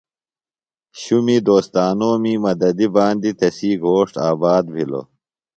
شُمی دوستانومیۡ مددی باندیۡ تسیۡ گھوݜٹ آباد بِھلوۡ۔